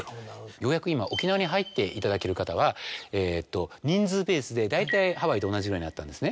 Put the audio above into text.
ようやく今沖縄に入っていただける方は人数ベースで大体ハワイと同じくらいになったんですね。